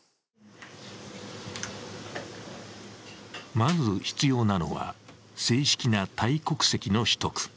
まず必要なのは、正式なタイ国籍の取得。